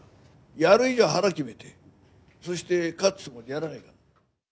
やる以上、腹決めて、そして勝つつもりでやらないかん。